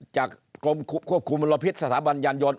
จากกรมควบคุมมลพิษสถาบันยานยนต์